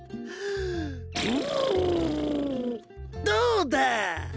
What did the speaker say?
どうだ？